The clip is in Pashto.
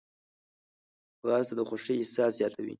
ځغاسته د خوښۍ احساس زیاتوي